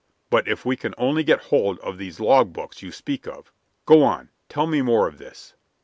But if we can only get hold of these log books you speak of. Go on; tell me more of this."